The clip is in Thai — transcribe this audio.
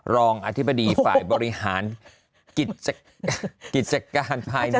รองอธิบดีฝ่ายบริหารกิจการภายใน